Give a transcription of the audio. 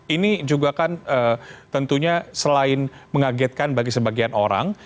ini juga kan tentunya selain mengagetkan bagi sebagian orang